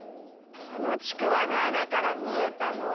あのちくわのあなからみえたのは。